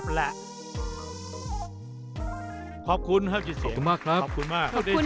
ส่วนตัวผมคิดว่ามันเป็นเรื่องที่ไม่คาดฝันมาก่อนเลย